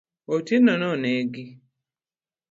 Otieno no negi.